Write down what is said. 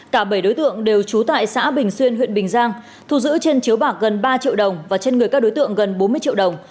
cả bảy đối tượng đều trú tại xã bình xuyên huyện bình giang thu giữ trên chiếu bạc gần ba triệu đồng và trên người các đối tượng gần bốn mươi triệu đồng